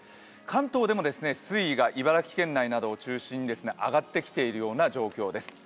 関東でも水位が茨城県内などを中心に上がってきている状況です。